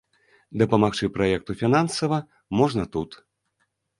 Дапамагчы праекту фінансава можна тут.